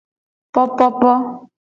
Popopo.